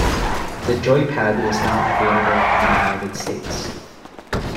The Joypad was not available in the United States.